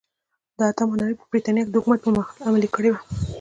د اتم هنري په برېټانیا کې د حکومت پرمهال عملي کړې وه.